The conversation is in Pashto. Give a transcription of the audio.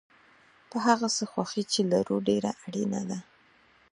په هغه څه خوښي چې لرو ډېره اړینه ده.